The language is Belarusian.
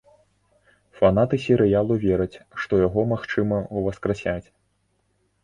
Фанаты серыялу вераць, што яго, магчыма, уваскрасяць.